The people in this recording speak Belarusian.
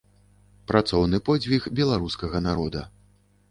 Працоўны подзвіг беларускага народа.